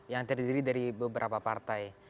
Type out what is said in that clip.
yang terdiri dari beberapa partai